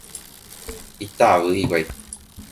Itavy hikuái.